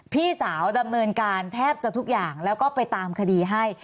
พี่สาวดำเนินการแทบจะทุกอย่างแล้วก็ไปตามคดีให้